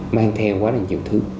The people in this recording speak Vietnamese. mang theo quá nhiều thứ